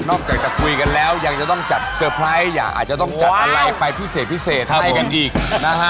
อกจากจะคุยกันแล้วยังจะต้องจัดเซอร์ไพรส์อย่าอาจจะต้องจัดอะไรไปพิเศษพิเศษอะไรกันอีกนะฮะ